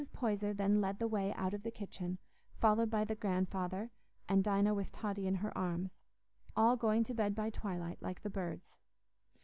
Poyser then led the way out of the kitchen, followed by the grandfather, and Dinah with Totty in her arms—all going to bed by twilight, like the birds.